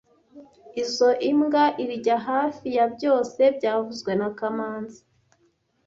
Izoi mbwa irya hafi ya byose byavuzwe na kamanzi